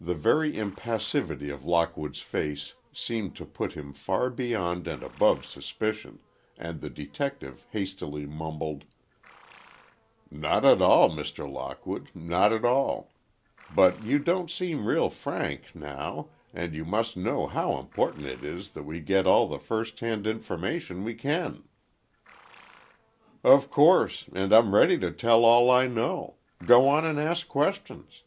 The very impassivity of Lockwood's face seemed to put him far beyond and above suspicion, and the detective, hastily mumbled, "Not at all, Mr. Lockwood, not at all. But you don't seem real frank, now, and you must know how important it is that we get all the first hand information we can." "Of course, and I'm ready to tell all I know. Go on and ask questions."